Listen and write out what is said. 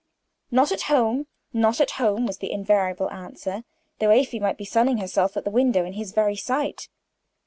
"Not at home not at home," was the invariable answer, though Afy might be sunning herself at the window in his very sight.